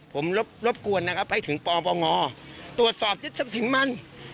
ผมรบรบกวนนะครับให้ถึงปปงตรวจสอบยึดทรัพย์สินมัน